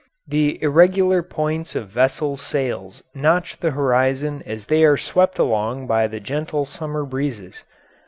The irregular points of vessels' sails notch the horizon as they are swept along by the gentle summer breezes.